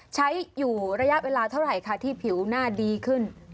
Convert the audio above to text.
ใช้อยู่ระยะเวลาเท่าไหร่ค่ะที่ผิวหน้าดีขึ้น